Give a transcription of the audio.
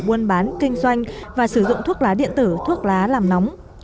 buôn bán kinh doanh và sử dụng thuốc lá điện tử thuốc lá làm nóng